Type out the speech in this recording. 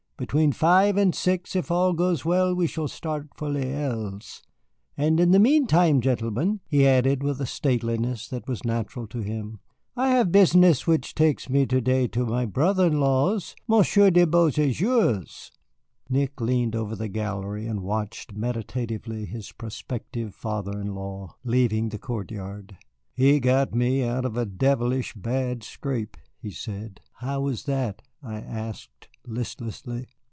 Between five and six if all goes well, we shall start for Les Îles. And in the meantime, gentlemen," he added with a stateliness that was natural to him, "I have business which takes me to day to my brother in law's, Monsieur de Beauséjour's." Nick leaned over the gallery and watched meditatively his prospective father in law leaving the court yard. "He got me out of a devilish bad scrape," he said. "How was that?" I asked listlessly.